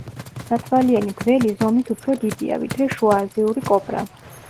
სათვალიანი გველი ზომით უფრო დიდია, ვიდრე შუააზიური კობრა.